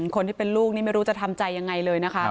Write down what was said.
คนที่เป็นลูกไม่รู้จะทำใจอย่างไรเลย